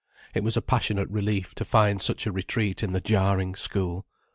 It was a passionate relief to find such a retreat in the jarring school.